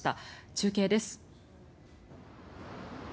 中継です。